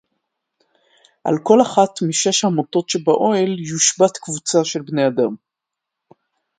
עַל כֹּל אַחַת מִשֵש הַמוֹטוֹת שֶבָּאוֹהֶל יוּשְבַּת קְבוּצָה שֶל בְּנֵי אָדָם